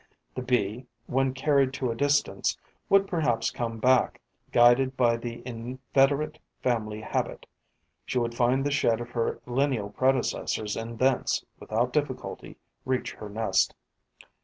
The Bee, when carried to a distance, would perhaps come back, guided by the inveterate family habit; she would find the shed of her lineal predecessors and thence, without difficulty, reach her nest.